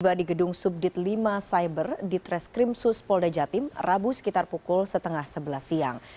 tiba di gedung subdit lima cyber di treskrim sus polda jatim rabu sekitar pukul setengah sebelas siang